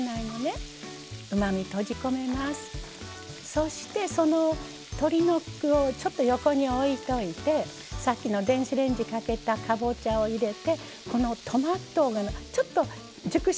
そしてその鶏肉をちょっと横に置いといてさっきの電子レンジかけたかぼちゃを入れてこのトマトがちょっと熟してきたのありますよね。